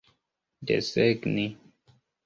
desegni